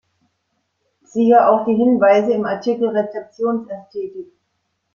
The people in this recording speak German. Siehe auch die Hinweise im Artikel Rezeptionsästhetik